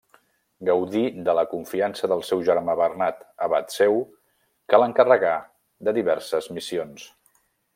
Gaudí de la confiança del seu germà Bernat, abat seu, que l'encarregà de diverses missions.